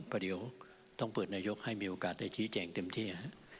เพราะเดี๋ยวต้องเปิดนายกให้มีโอกาสได้ชี้แจงเต็มที่